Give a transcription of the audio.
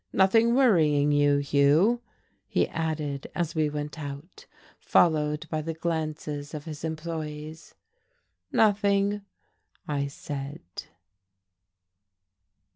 "Nothing's worrying you, Hugh?" he added, as we went out, followed by the glances of his employees. "Nothing," I said....